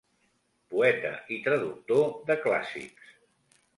Poeta i traductor de clàssics.